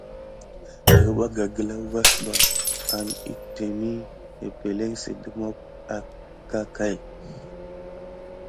Derbaga gla vas ɓa aks itémeni epəŋle si de mok akakay.